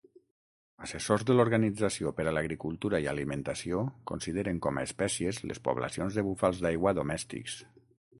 Assessors de l'Organització per a l'agricultura i alimentació consideren com a espècies les poblacions de búfals d'aigua domèstics.